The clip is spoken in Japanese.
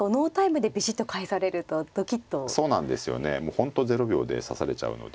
本当ゼロ秒で指されちゃうので。